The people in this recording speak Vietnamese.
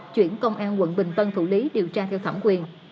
chuyển công an quận bình tân thủ lý điều tra theo thẩm quyền